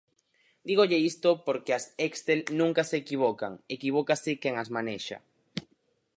Dígolle isto porque as Excel nunca se equivocan, equivócase quen as manexa.